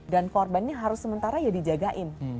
dan korbannya harus sementara ya dijagain